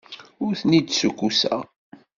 Ur ten-id-ssukkuseɣ.